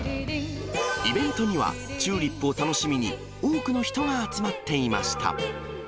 イベントには、チューリップを楽しみに、多くの人が集まっていました。